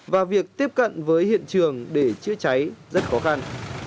và việc tiếp cận với hiện trường để chữa cháy rất khó khăn